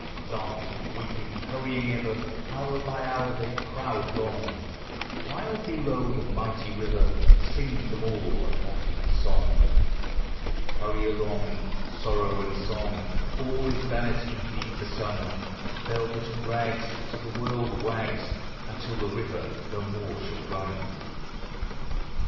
Laughing, weeping, hurrying ever, Hour by hour they crowd along, While, below, the mighty river Sings them all a mocking song, Hurry along, sorrow and song, All is vanity 'neath the sun ; Velvet and rags, so the world wags, Until the river no more shall run.